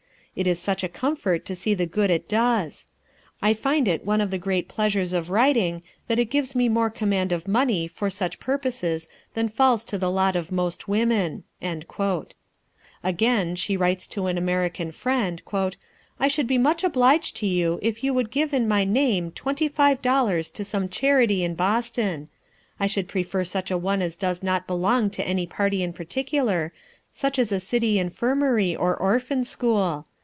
It is such a comfort to see the good it does. I find it one of the great pleasures of writing, that it gives me more command of money for such purposes than falls to the lot of most women." Again, she writes to an American friend: "I should be much obliged to you if you would give in my name twenty five dollars to some charity in Boston. I should prefer such a one as does not belong to any party in particular, such as a city infirmary or orphan school.